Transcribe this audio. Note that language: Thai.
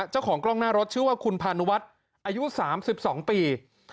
เจ้าของกล้องหน้ารถชื่อว่าคุณพานุวัฒน์อายุ๓๒ปี